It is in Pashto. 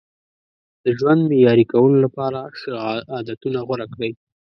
د ژوند معیاري کولو لپاره ښه عادتونه غوره کړئ.